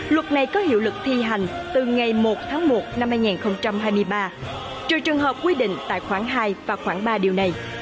luật này có hiệu lực thi hành từ ngày một tháng một năm hai nghìn hai mươi ba trừ trường hợp quy định tại khoảng hai và khoảng ba điều này